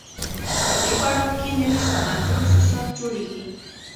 په دې پړاو کې نوي صنعتي موسسات جوړېږي